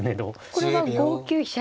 これは５九飛車